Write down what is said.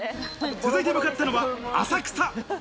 続いて向かったのは浅草。